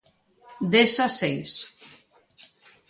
Dezaseis.